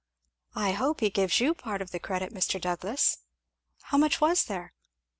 "I hope he gives you part of the credit, Mr. Douglass; how much was there?